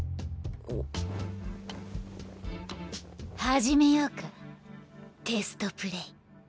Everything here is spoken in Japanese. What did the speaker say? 始めようかテストプレー。